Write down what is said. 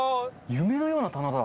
夢のような棚だ。